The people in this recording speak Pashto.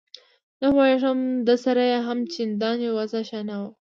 نه پوهېږم ده سره یې هم چندان وضعه ښه نه وه.